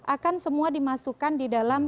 akan semua dimasukkan di dalam